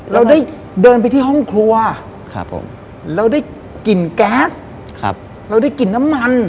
เราได้เดินไปที่ห้องครัวครับผมเราได้กลิ่นแก๊สเราได้กลิ่นน้ำมัน